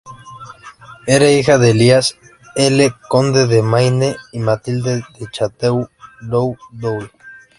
Era hija de Elías I, conde de Maine, y Matilde de Château-du-Loire.